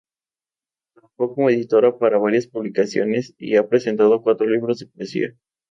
Trabajó como editora para varias publicaciones y ha presentado cuatro libros de poesía.